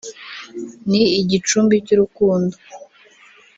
ni igicumbi cy’urukundo